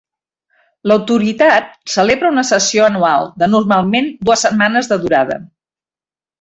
L'Autoritat celebra una sessió anual, de normalment dues setmanes de durada.